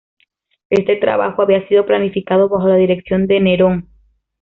Este trabajo había sido planificado bajo la dirección de Nerón.